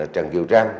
trần diều trăng